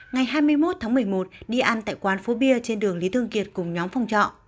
ngày hai mươi một tháng một mươi một đi ăn tại quán phố bia trên đường lý thương kiệt cùng nhóm phòng trọ